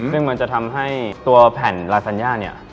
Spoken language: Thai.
ซึ่งมันจะทำให้ตัวแผ่นลาสัญญาเนี่ย